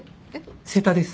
瀬田です。